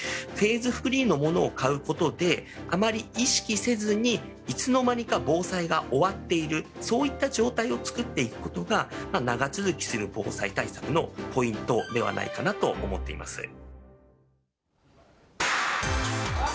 フェーズフリーのものを買うことで、あまり意識せずに、いつの間にか防災が終わっている、そういった状態を作っていくことが、長続きする防災対策のポイントではないかなと思っています。